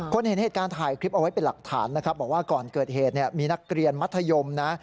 เห็นเหตุการณ์ถ่ายคลิปเอาไว้เป็นหลักฐานนะครับบอกว่าก่อนเกิดเหตุเนี่ยมีนักเรียนมัธยมนะ